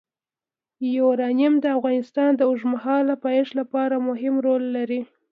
یورانیم د افغانستان د اوږدمهاله پایښت لپاره مهم رول لري.